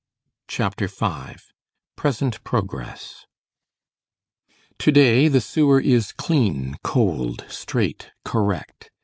CHAPTER V—PRESENT PROGRESS To day the sewer is clean, cold, straight, correct.